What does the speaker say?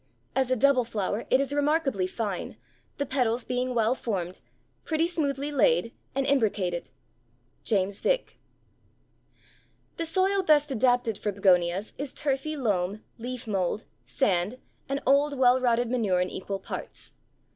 As a double flower it is remarkably fine, the petals being well formed, pretty smoothly laid and imbricated." James Vick. The soil best adapted for Begonias is turfy loam, leaf mold, sand, and old well rotted manure in equal parts.